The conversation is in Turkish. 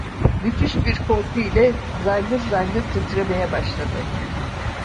Müthiş bir korku ile zangır zangır titremeye başladı.